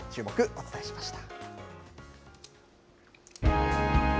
お伝えしました。